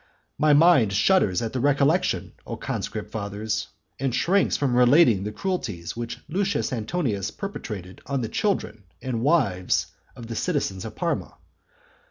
My mind shudders at the recollection, O conscript fathers, and shrinks from relating the cruelties which Lucius Antonius perpetrated on the children and wives of the citizens of Parma.